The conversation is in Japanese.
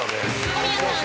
小宮さん